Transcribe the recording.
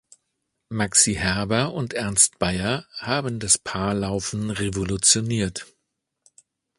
Maxi Herber und Ernst Baier haben das Paarlaufen revolutioniert.